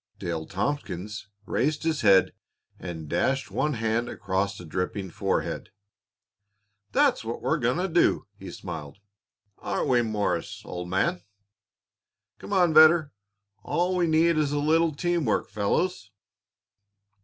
Dale Tompkins raised his head and dashed one hand across a dripping forehead. "That's what we're going to do," he smiled; "aren't we, Morris, old man? Come ahead, Vedder; all we need is a little team work, fellows."